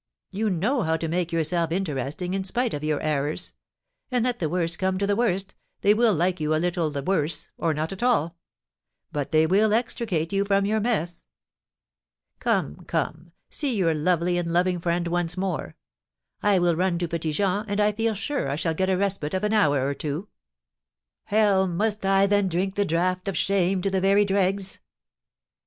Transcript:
You know how to make yourself interesting in spite of your errors; and, let the worst come to the worst, they will like you a little the worse, or not at all; but they will extricate you from your mess. Come, come, see your lovely and loving friend once more. I will run to Petit Jean, and I feel sure I shall get a respite of an hour or two." "Hell! Must I, then, drink the draught of shame to the very dregs?"